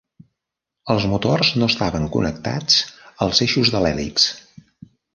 Els motors no estaven connectats als eixos de l'hèlix.